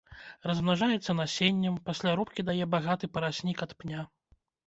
Размнажаецца насеннем, пасля рубкі дае багаты параснік ад пня.